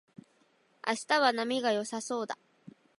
明日は波が良さそうだ